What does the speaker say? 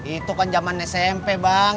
itu kan zaman smp bang